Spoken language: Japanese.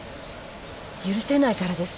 許せないからです。